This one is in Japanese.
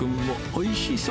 おいしいね。